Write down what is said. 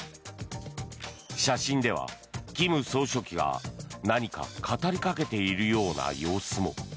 写真では金総書記が何か語りかけているような様子も。